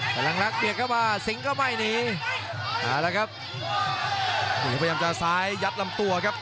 พลังลักษณ์เบียดเข้ามาสิงห์ก็ไม่หนีมาแล้วครับนี่พยายามจะซ้ายยัดลำตัวครับ